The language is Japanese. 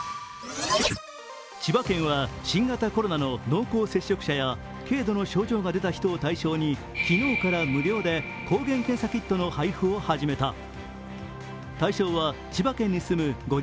千葉県は新型コロナの濃厚接触者や軽度の症状が出た人を対象に昨日から無料で抗原検査キットの配布を始めた。